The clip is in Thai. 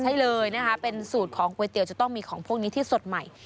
ใช่เลยนะคะเป็นสูตรของก๋วยเตี๋ยจะต้องมีของพวกนี้ที่สดใหม่